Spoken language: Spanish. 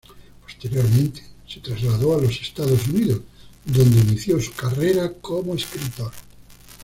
Posteriormente se trasladó a los Estados Unidos, donde inició su carrera como escritor.